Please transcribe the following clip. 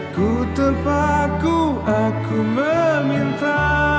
aku terpaku aku memiliki